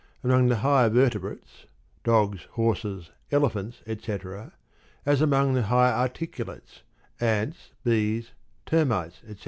Among the higher vertebrates (dogs, horses, elephants, etc.), as among the higher articulates (ants, bees, termites, etc.)